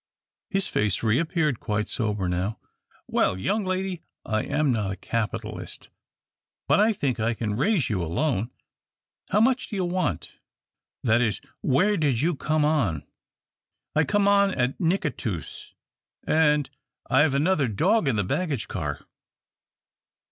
His face reappeared quite sober now. "Well, young lady, I am not a capitalist, but I think I can raise you a loan. How much do you want that is, where did you come on?" "I come on at Nicatoos, an' I've another dog in the baggage car."